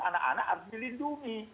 anak anak harus dilindungi